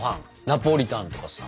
ナポリタンとかさ。